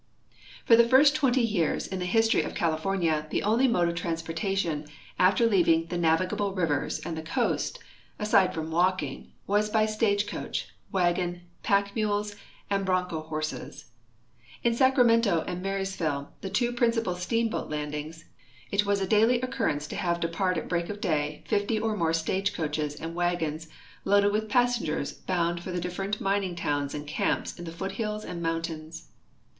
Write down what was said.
For the first twenty years in the history of California the only mode of transportation after leaving the navigable rivers and the coast, aside from walking, was by stagecoach, wagon, pack mules, and broncho horses. In Sacramento and Marysville, the two principal steamboat landings, it was a daily occurrence to have depart at break of da}'' fifty or more stagecoaches and wagons loaded with passengers bound for the different mining towns and camps in the foothills and mountains.